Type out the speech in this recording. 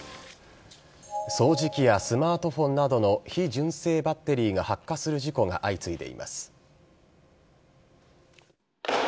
掃除機やスマートフォンなどの非純正バッテリーが発火する事故が相次いでいます。